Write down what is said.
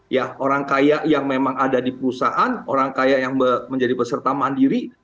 ya orang kaya yang memang ada di perusahaan orang kaya yang menjadi peserta mandiri